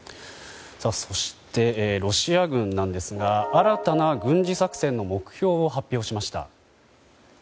そして、ロシア軍ですが新たな軍事作戦の目標を発表しました。